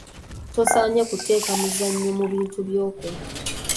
Tosaanye kuteeka muzannyo mu bintu by'okola.